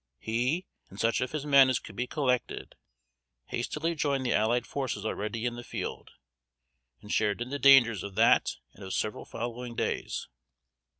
He, and such of his men as could be collected, hastily joined the allied forces already in the field, and shared in the dangers of that and of several following days.